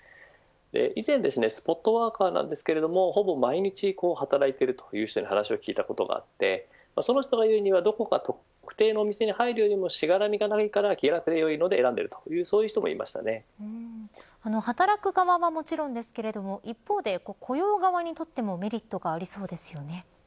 以前スポットワーカーなんですけどほぼ毎日働いている人に話を聞いたことがあってその人が言うにはどこか特定の店に入るよりもしがらみがないから気楽でよいので選んでいるという働く側はもちろんですけれど一方で雇用側にとってもメリットがありそうですよね。